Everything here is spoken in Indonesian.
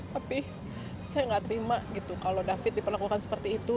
tapi saya nggak terima gitu kalau david diperlakukan seperti itu